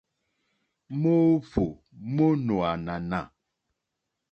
Moohvò mo nò ànànà.